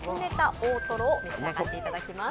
大とろを召し上がっていただきます。